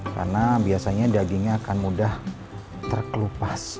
karena biasanya dagingnya akan mudah terkelupas